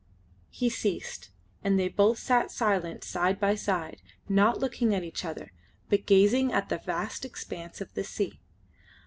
He ceased, and they both sat silent side by side, not looking at each other, but gazing at the vast expanse of the sea.